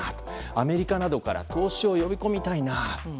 アメリカなどから投資を呼び込みたいなと。